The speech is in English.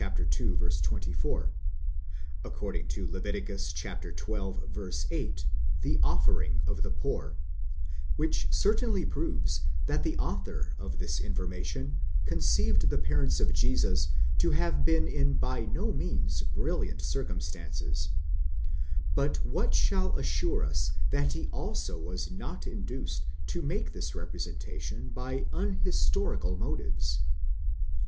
24),—accofding to Lev. xii. 8, the offering of the poor: which certainly proves that the author of this information conceived the parents of Jesus to have been in by no means brilliant circumstances ;}5 but what shall assure us that he also was not induced to make this representation by unhistorical motives?